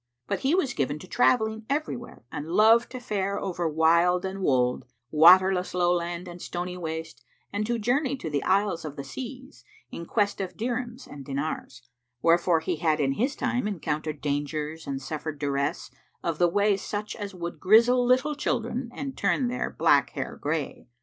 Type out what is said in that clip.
But he was given to travelling everywhere and loved to fare over wild and wold, waterless lowland and stony waste, and to journey to the isles of the seas, in quest of dirhams and dinars: wherefore he had in his time encountered dangers and suffered duresse of the way such as would grizzle little children and turn their black hair grey.